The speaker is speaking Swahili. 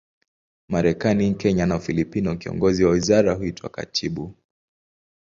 Marekani, Kenya na Ufilipino, kiongozi wa wizara huitwa katibu.